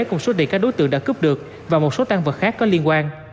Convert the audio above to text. cùng số địa các đối tượng đã cướp được và một số tăng vật khác có liên quan